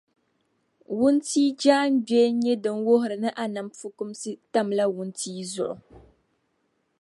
Wuntia jaaŋgbee n-nyɛ din wuhiri ni a nam fukumsi tam la wuntia zuɣu